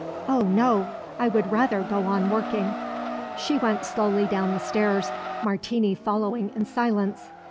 "Oh, no! I would rather go on working." She went slowly down the stairs, Martini following in silence.